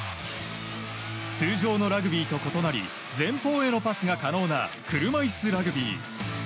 通常のラグビーと異なり前方へのパスが可能な車いすラグビー。